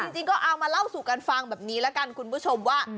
จริงก็เอามาเล่าสู่กันฟังแบบนี้แล้วกันคุณผู้ชมว่า